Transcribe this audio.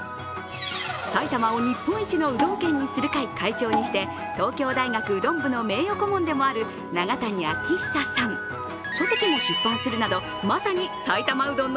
埼玉を日本一のうどん県にする会会長にして東京大学うどん部の名誉顧問でもある永谷晶久さん。